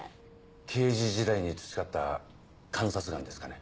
刑事時代に培った観察眼ですかね。